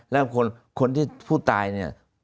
แล้วคนที่ผู้ตายเนี่ย